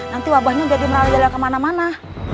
nanti wabahnya jadi meralih ralih kemana mana